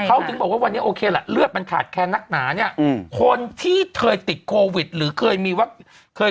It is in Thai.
เขาถึงบอกว่าวันนี้โอเคล่ะเลือดมันขาดแคนนักหนาเนี่ยคนที่เคยติดโควิดหรือเคยมีว่าเคย